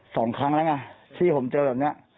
สองครั้งแล้วไงที่ผมเจอแบบนี้